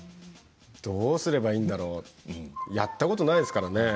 どうすればいいんだろうってやったことないですから。